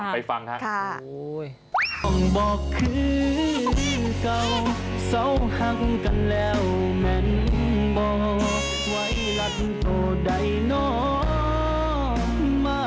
ไปฟังดูไปฟังครับ